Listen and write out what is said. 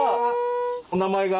お名前が？